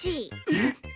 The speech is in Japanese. えっ！？